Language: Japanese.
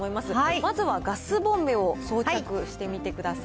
まずはガスボンベを装着してみてください。